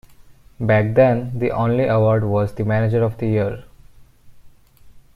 Back then, the only award was the Manager of the Year.